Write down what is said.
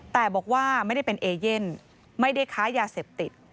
แต่บอกว่าไม่ได้เป็นเอเย่นไม่ได้ค้ายาเสพติด